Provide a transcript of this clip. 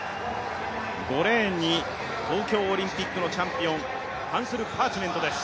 ５レーンに東京オリンピックのチャンピオン、ハンスル・パーチメントです。